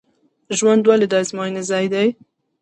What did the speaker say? ژوند ولې د ازموینې ځای دی؟